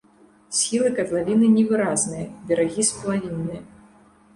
Схілы катлавіны невыразныя, берагі сплавінныя.